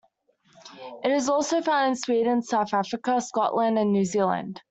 It is also found in Sweden, South Africa, Scotland, and New Zealand.